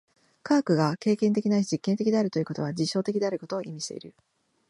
科学が経験的ないし実験的であるということは、実証的であることを意味している。